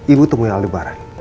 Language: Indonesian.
ibu temui aldebaran